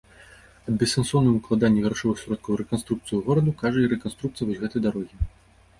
Аб бессэнсоўным укладанні грашовых сродкаў у рэканструкцыю гораду кажа і рэканструкцыя вось гэтай дарогі.